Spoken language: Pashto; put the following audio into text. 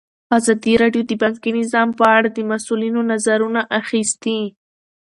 ازادي راډیو د بانکي نظام په اړه د مسؤلینو نظرونه اخیستي.